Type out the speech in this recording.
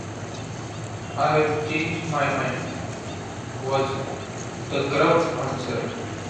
"I've changed my mind," was the gruff answer.